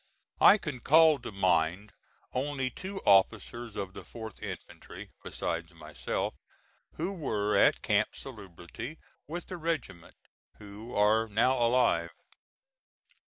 I can call to mind only two officers of the 4th infantry, besides myself, who were at Camp Salubrity with the regiment, who are now alive.